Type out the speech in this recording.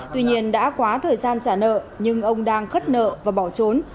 tuy nhiên đã quá thời gian trả nợ nhưng ông đang khất nợ và bỏ trốn